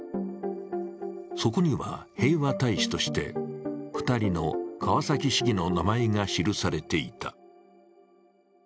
そこには平和大使として２人の川崎市議の名前が記されていた。